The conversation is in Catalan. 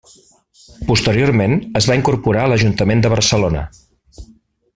Posteriorment, es va incorporar a l'Ajuntament de Barcelona.